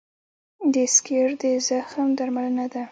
د سکېر د زخم درملنه ده.